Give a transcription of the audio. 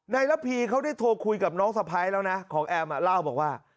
ระพีเขาได้โทรคุยกับน้องสะพ้ายแล้วนะของแอมเล่าบอกว่า